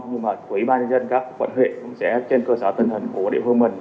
nhưng mà quỹ ban nhân dân các quận huyện cũng sẽ trên cơ sở tình hình của địa phương mình